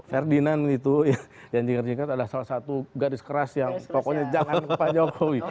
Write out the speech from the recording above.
ferdinand itu yang jingkar jingkar ada salah satu garis keras yang pokoknya jangan ke pak jokowi